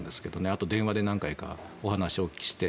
あと、電話で何回かお話をして。